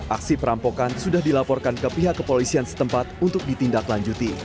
aksi perampokan sudah dilaporkan ke pihak kepolisian setempat untuk ditindaklanjuti